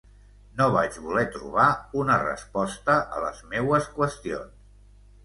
No vaig voler trobar una resposta a les meues qüestions.